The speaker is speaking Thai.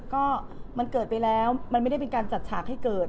ก็มันเกิดไปแล้วมันไม่ได้เป็นการจัดฉากให้เกิด